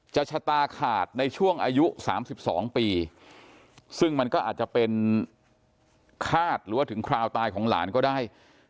ชะตาขาดในช่วงอายุ๓๒ปีซึ่งมันก็อาจจะเป็นคาดหรือว่าถึงคราวตายของหลานก็ได้